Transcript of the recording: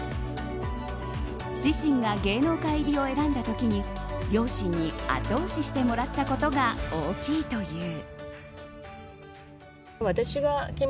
自身が芸能界入りを選んだ時に両親に後押ししてもらったことが大きいという。